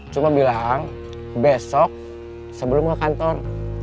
cuma bilang besok sebelum ke kantor